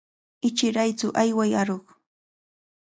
Ichiraytsu, ayway aruq.